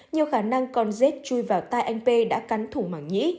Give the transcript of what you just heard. nhiều khả năng con rết chui vào tai anh p đã cắn thủng màng nhĩ